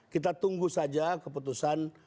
kita tunggu saja keputusan